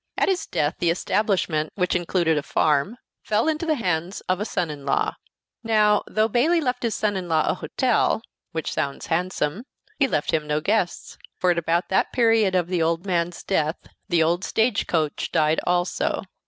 At his death the establishment, which included a farm, fell into the hands of a son in law. Now, though Bayley left his son in law a hotel which sounds handsome he left him no guests; for at about the period of the old man's death the old stage coach died also.